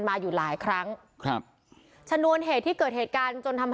มาอยู่หลายครั้งครับชนวนเหตุที่เกิดเหตุการณ์จนทำ